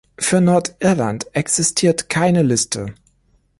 Für Nordirland existiert keine Liste.